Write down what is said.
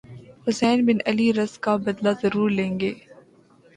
حسین بن علی رض کا بدلہ ضرور لیں گے انکی